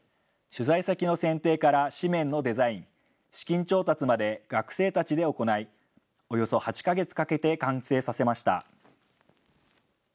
取材先の選定から誌面のデザイン、資金調達まで学生たちで行い、およそ８か月かけて完成させました。